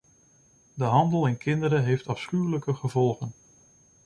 De handel in kinderen heeft afschuwelijke gevolgen.